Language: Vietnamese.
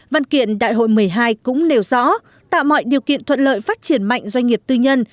văn kiện đại hội một mươi hai cũng nêu rõ tạo mọi điều kiện thuận lợi phát triển mạnh doanh nghiệp tư nhân